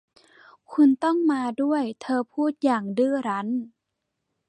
คุณต้องมาด้วยเธอพูดอย่างดื้อรั้น